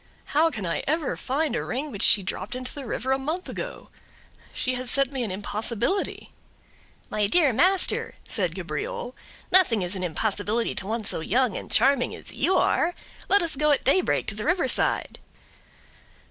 "How can I ever find a ring which she dropped into the river a month ago? She has set me an impossibility." "My dear master," said Cabriole, "nothing is an impossibility to one so young and charming as you are; let us go at daybreak to the river side."